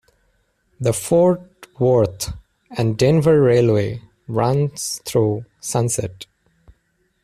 The Fort Worth and Denver Railway runs through Sunset.